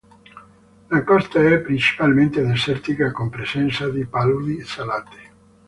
La costa è principalmente desertica con presenza di paludi salate.